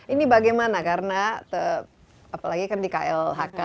ini bagaimana karena apalagi kan di klhk